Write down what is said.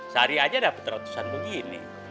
sehari aja dapat ratusan begini